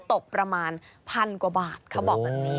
ตกประมาณพันกว่าบาทเขาบอกแบบนี้